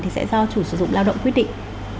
thì sẽ do chủ sử dụng lao động quyết định